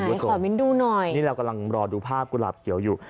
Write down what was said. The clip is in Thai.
เดี๋ยวขอมิ้นดูหน่อยนี่เรากำลังรอดูภาพกุหลาบเขียวอยู่